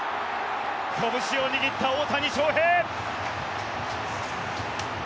こぶしを握った大谷翔平。